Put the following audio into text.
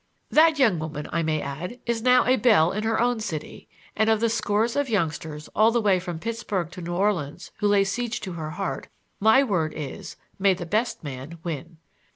That young woman, I may add, is now a belle in her own city, and of the scores of youngsters all the way from Pittsburg to New Orleans who lay siege to her heart, my word is, may the best man win!